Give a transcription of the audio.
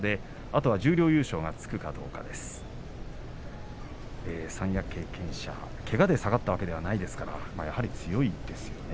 あとは十両優勝がつくかどうか三役経験者、けがで下がったわけではありませんので強いですよね。